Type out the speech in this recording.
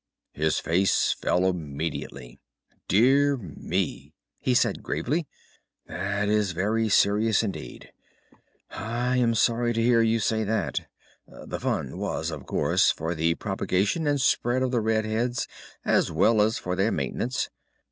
"His face fell immediately. "'Dear me!' he said gravely, 'that is very serious indeed! I am sorry to hear you say that. The fund was, of course, for the propagation and spread of the red heads as well as for their maintenance.